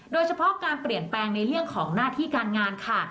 โดยเฉพาะการเปลี่ยนแปลงในเรื่องของหน้าที่การงานค่ะ